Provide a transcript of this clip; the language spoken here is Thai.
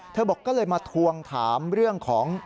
บอกก็เลยมาทวงถามเรื่องของ